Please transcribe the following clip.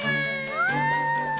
わあ。